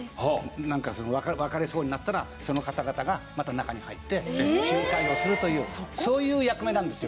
なんか別れそうになったらその方々がまた中に入って仲介をするというそういう役目なんですよ